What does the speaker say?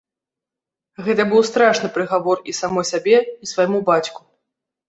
Гэта быў страшны прыгавор і самой сабе, і свайму бацьку.